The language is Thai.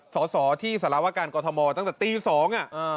สอสอที่สารวการกรทมตั้งแต่ตีสองอ่ะ